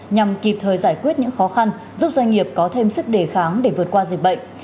nhằm kịp thời giải quyết những khó khăn giúp doanh nghiệp có thêm sức đề kháng để vượt qua dịch bệnh